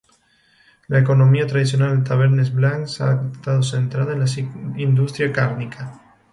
La economía tradicional de Tabernes Blanques ha estado centrada en la industria cárnica.